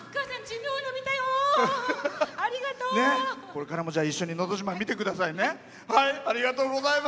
これからも一緒に「のど自慢」見てくださいね。